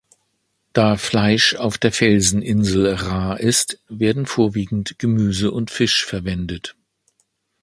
Da Fleisch auf der Felseninsel rar ist, werden vorwiegend Gemüse und Fisch verwendet.